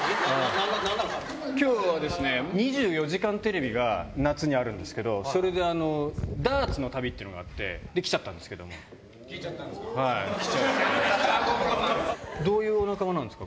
きょうはですね、２４時間テレビが夏にあるんですけど、それでダーツの旅っていうのがあって、で、来ちゃったんですけど来ちゃったんですか。